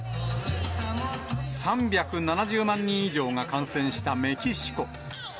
３７０万人以上が感染したメキシコ。